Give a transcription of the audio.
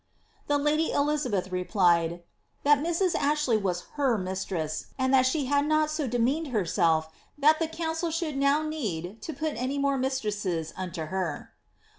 The lady Elizabeth replied, ^ that Mrs. Ashley was her mistress, and that she had not so demeaned herself that the council should now need to put any more mistresses unto her."